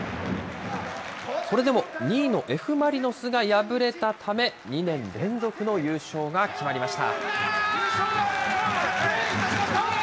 それでも、２位のＦ・マリノスが敗れたため、２年連続の優勝が決まりました。